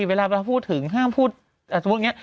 เวลาพูดถึงห้ามพูดอ่ะสมมติอย่างนี้